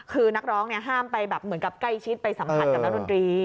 คือนักร้องเนี่ยห้ามไปแบบเหมือนกับใกล้ชิดไปสัมผัสกับนักดนตรี